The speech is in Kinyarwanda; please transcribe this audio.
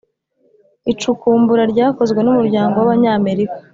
icukumbura ryakozwe n’umuryango w’abanyamerika